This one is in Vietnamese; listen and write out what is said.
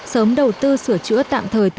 sớm đầu tư sửa chữa tạm thời